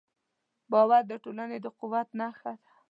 باور د ټولنې د قوت نښه ده.